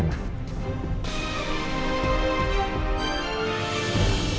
apa ada kaitannya dengan hilangnya sena